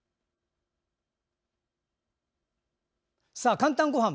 「かんたんごはん」